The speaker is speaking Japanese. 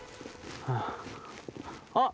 あっ！